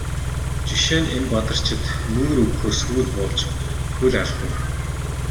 Жишээ нь энэ Бадарчид нүүр өгөхөөр сүйд болж хөл алдана.